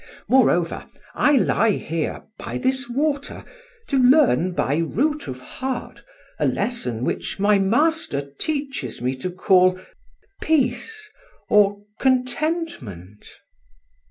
Moreover, I lie here, by this water, to learn by root of heart a lesson which my master teaches me to call Peace, or Contentment."